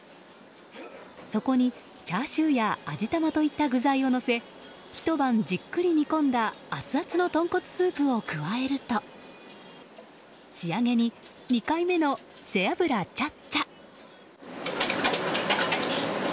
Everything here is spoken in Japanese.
そこにチャーシューや味玉といった具材をのせひと晩じっくり煮込んだアツアツのとんこつスープを加えると仕上げに２回目の背脂チャッチャ。